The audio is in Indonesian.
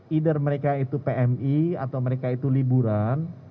either mereka itu pmi atau mereka itu liburan